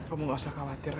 kamu gak usah khawatir